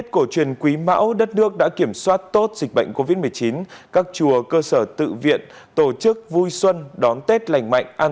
khi được gửi bảo hiểm xã hội một lần